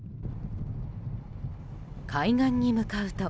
海岸に向かうと。